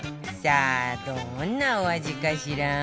さあどんなお味かしら？